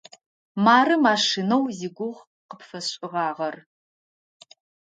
Мары машинэу зигугъу къыпфэсшӏыгъагъэр.